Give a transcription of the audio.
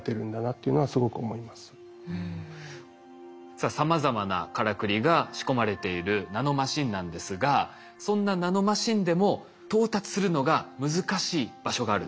さあさまざまなからくりが仕込まれているナノマシンなんですがそんなナノマシンでも到達するのが難しい場所があるんです。